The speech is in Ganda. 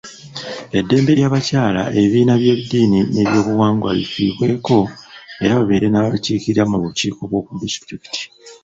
Eddembe ly’abakyala, ebibiina by’eddini n’ebyobuwangwa lifiibweko era babeere n’ababakiikirira mu bukiiko bw’oku disitulikiti.